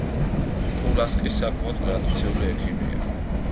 პულასკი საკმაოდ ტრადიციული ექიმია.